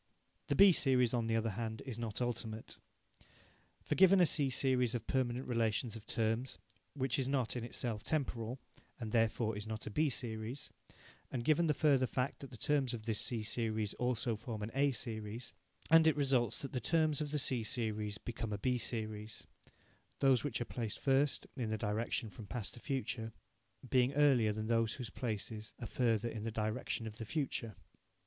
The B series, on the other hand, is not ultimate. For, given a C series of permanent relations of terms, which is not in itself temporal, and therefore is not a B series, and given the further fact that the terms of this C series also form an A series, and it results that the terms of the C series become a B series, those which are placed first, in the direction from past to future, being earlier than those whose places are further in the direction of the future.